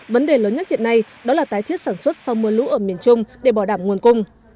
vấn đề lớn nhất hiện nay đó là tái thiết sản xuất sau mưa lũ ở miền trung để bỏ đảm nguồn cung